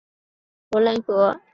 池后正中为文澜阁。